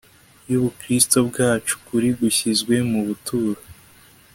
yUbukristo bwacu Ukuri gushyizwe mu buturo